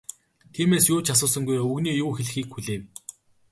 Тиймээс юу ч асуусангүй, өвгөний юу хэлэхийг хүлээв.